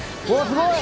すごい！